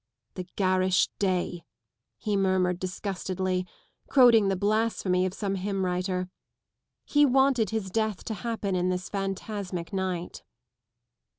"* The garish day,'" he murmured disgustedly, quoting the blasphemy of some hymn writer. He wanted his death to happen in this phantasmic night.